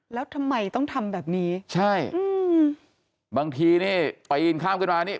แล้วทำไมต้องทำแบบนี้ใช่อืมบางทีนี่ปีนข้ามขึ้นมานี่